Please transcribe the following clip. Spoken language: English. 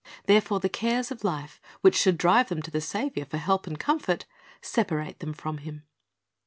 Therefore the cares of life, which should drive them to the Saviour for help and comfort, separate them from Him.